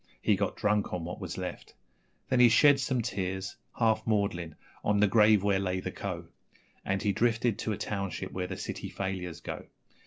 He got drunk on what was left; Then he shed some tears, half maudlin, on the grave where lay the Co., And he drifted to a township where the city failures go.